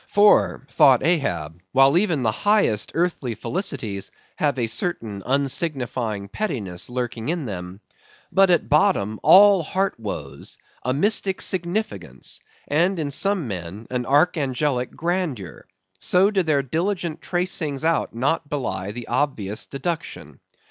For, thought Ahab, while even the highest earthly felicities ever have a certain unsignifying pettiness lurking in them, but, at bottom, all heartwoes, a mystic significance, and, in some men, an archangelic grandeur; so do their diligent tracings out not belie the obvious deduction.